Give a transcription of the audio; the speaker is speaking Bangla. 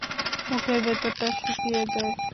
মুখের ভেতরটা শুকিয়ে যায়।